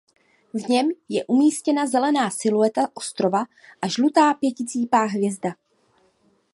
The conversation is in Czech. V něm je umístěna zelená silueta ostrova a žlutá pěticípá hvězda.